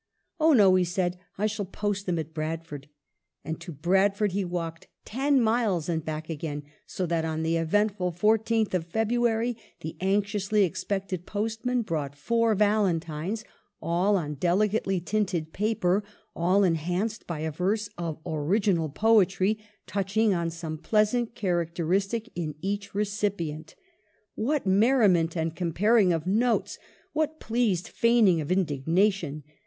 " Oh no," he said, " I shall post them at Bradford." And to Bradford he walked, ten miles and back again, so that on the eventful 14th of February the anxiously ex pected postman brought four valentines, all on delicately tinted paper, all enhanced by a verse of original poetry, touching on some pleasant characteristic in each recipient. What merri ment and comparing of notes ! What pleased feigning of indignation